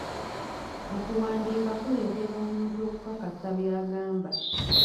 Okuwandiika kuleetera omuntu okukakasa by'agamba.